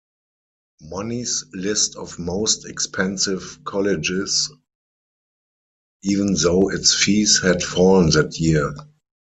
Money's list of most expensive colleges, even though its fees had fallen that year.